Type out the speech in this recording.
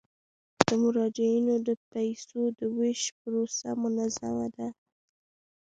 د مراجعینو د پيسو د ویش پروسه منظمه ده.